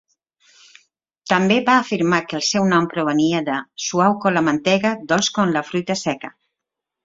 També va afirmar que el nom provenia de "suau com la mantega, dolç com la fruita seca".